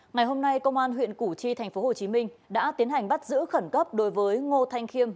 ngày hôm nay công an huyện củ chi tp hcm đã tiến hành bắt giữ khẩn cấp đối với ngô thanh khiêm